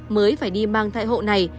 mới phải đi mang thai hộ này